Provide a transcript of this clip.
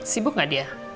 sibuk gak dia